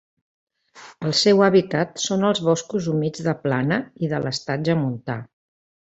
El seu hàbitat són els boscos humits de plana i de l'estatge montà.